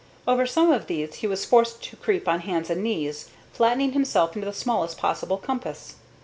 Over some of these he was forced to creep on hands and knees, flattening himself into the smallest possible compass.